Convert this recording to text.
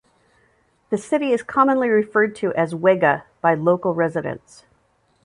The city is commonly referred to as "Wega" by local residents.